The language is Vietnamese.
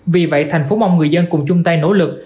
vì vậy thành phố mong người dân cùng chung tay nỗ lực